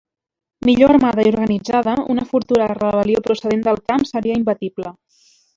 Millor armada i organitzada, una futura rebel·lió procedent del camp seria imbatible.